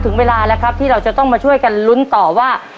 ถึงเวลาแล้วครับที่เราจะต้องมาช่วยกันลุ้นต่อว่า